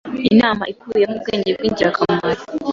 inama ikubiyemo ubwenge bwingirakamaro